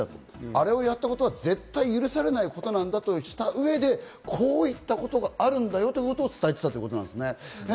あれをやったことは絶対に許されないことなんだとした上で、こういったことがあるんだよということを伝えていったということなんですね。